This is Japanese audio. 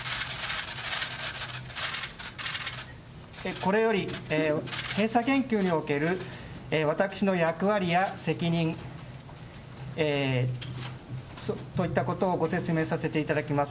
これより、閉鎖研究における私の役割や責任といったことをご説明させていただきます。